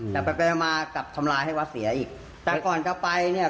แต่ไปไปมากลับทำลายให้วัดเสียอีกแต่ก่อนจะไปเนี่ย